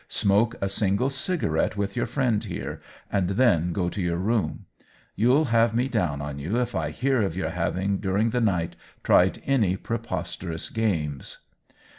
Smoke a single cigarette with your friend here, and then go to your room. You'll have me down on you if I hear of your having, during the night, tried any preposterous games."